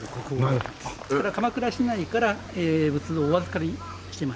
ただ鎌倉市内から仏像をお預かりしてますお寺が。